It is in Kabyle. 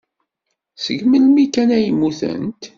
Seg melmi kan ay mmutent.